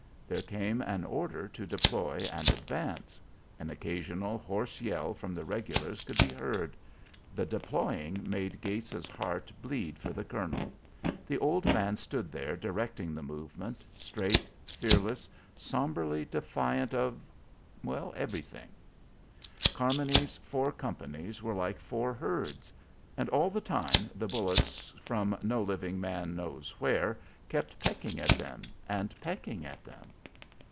There came an order to deploy and advance. An occasional hoarse yell from the regulars could be heard. The deploying made Gates's heart bleed for the colonel. The old man stood there directing the movement, straight, fearless, sombrely defiant of everything. Carmony's four companies were like four herds. And all the time the bullets from no living man knows where kept pecking at them and pecking at them.